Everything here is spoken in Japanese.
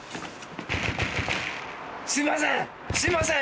すいません！